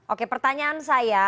oke pertanyaan saya